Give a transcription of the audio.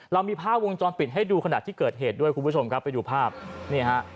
เรามีภาพวงจรปิดให้ดูขณะที่เกิดเหตุด้วยคุณผู้ชมครับไปดูภาพนี่ฮะ